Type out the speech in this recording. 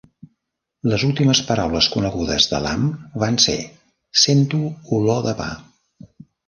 Les últimes paraules conegudes de Lamb van ser: "Sento olor de pa".